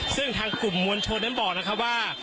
ซึ่งทางกลุ่มมวลชนนั้นบอกนะครับว่า